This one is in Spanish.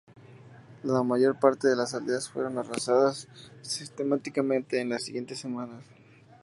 La mayor parte de las aldeas fueron arrasadas sistemáticamente en las siguientes semanas.